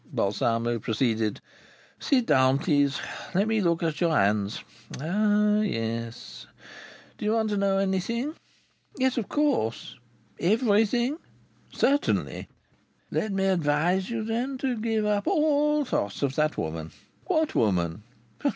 Balsamo proceeded. "Sit down, please. Let me look at your hands. Ah! yes! Do you want to know anything?" "Yes, of course." "Everything?" "Certainly." "Let me advise you, then, to give up all thoughts of that woman." "What woman?"